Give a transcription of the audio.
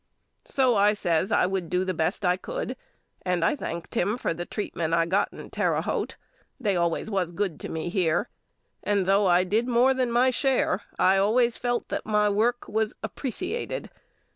So I says I would do the best I could and I thanked him for the treatment I got in Terre Haute. They always was good to me here and though I did more than my share I always felt that my work was appresiated.